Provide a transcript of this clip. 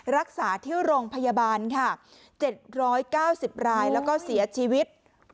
รักษาที่โรงพยาบาลค่ะ๗๙๐รายแล้วก็เสียชีวิต